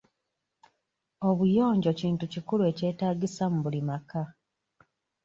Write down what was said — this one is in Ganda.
Obuyonjo kintu ekikulu ekyetaagisa mu buli maka.